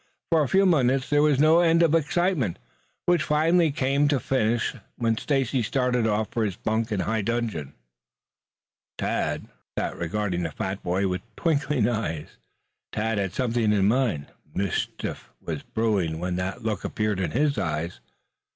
For a few moments there was no end of excitement, which finally came to a finish when Stacy started off for his bunk in high dudgeon. Tad sat regarding the fat boy with twinkling eyes. Tad had something in mind. Mischief was brewing when that look appeared in his eyes.